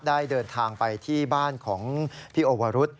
ได้เดินทางไปที่บ้านของพี่โอวรุษ